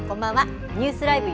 ニュースＬＩＶＥ！